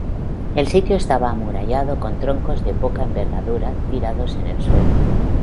El sitio estaba amurallado con troncos de poca envergadura tirados en el suelo.